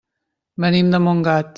Venim de Montgat.